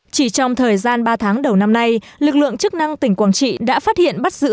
chỉ trong thời gian ba tháng đầu năm nay lực lượng chức năng tỉnh quảng trị đã phát hiện bắt giữ